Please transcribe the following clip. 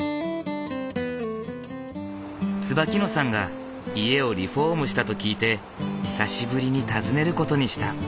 椿野さんが家をリフォームしたと聞いて久しぶりに訪ねる事にした。